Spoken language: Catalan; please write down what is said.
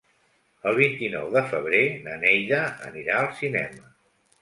El vint-i-nou de febrer na Neida anirà al cinema.